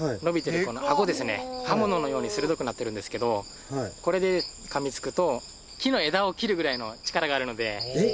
刃物のように鋭くなってるんですけどこれで噛みつくと木の枝を切るぐらいの力があるのでえっ！？